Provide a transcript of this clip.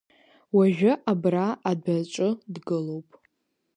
Уажәы абра адәаҿы дгылоуп.